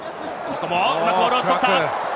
うまくボールを取った。